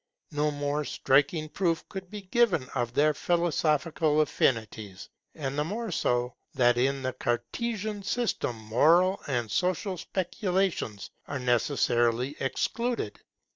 No more striking proof could be given of their philosophical affinities; and the more so that in the Cartesian system moral and social speculations were necessarily excluded.